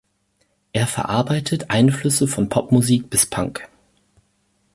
Er verarbeitet Einflüsse von Popmusik bis Punk.